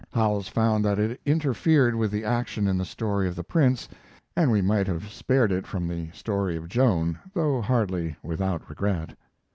Howells found that it interfered with the action in the story of the Prince, and we might have spared it from the story of Joan, though hardly without regret.